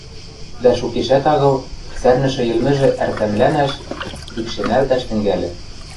дӓ шукешӓт агыл: сӓрнӹшӹ йӹлмӹжӹ ӓртӓмлӓнӓш, пӱкшемӓлтӓш тӹнгӓльӹ.